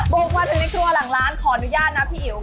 บูบวาสมิคลัวหลังร้านขออนุญาตนะพี่อิ๋ว